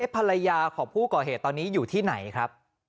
ภรรยาของผู้ก่อเหตุตอนนี้อยู่ที่ไหนครับ